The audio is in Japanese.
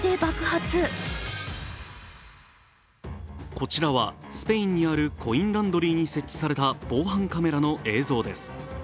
こちらはスペインにあるコインランドリーに設置された防犯カメラの映像です。